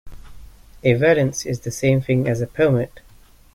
A valance is the same thing as a pelmet